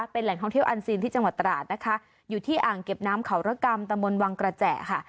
เป็นแหล่งท่องเที่ยวอันซีนที่จังหวัดตราดนะคะอยู่ที่อ่างเก็บน้ำเขาระกรรมตะมนต์วังกระแจค่ะ